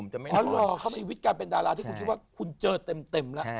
อ๋อชีวิตการเป็นดาราที่คุณคิดว่าคุณเจอเต็มละ